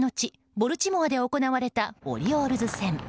ボルティモアで行われたオリオールズ戦。